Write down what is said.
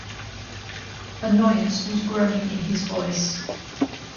Annoyance was growing in his voice.